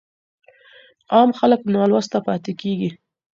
عام خلګ نالوسته پاته کيږي.